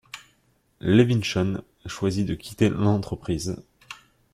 Levinsohn choisit de quitter l'entreprise.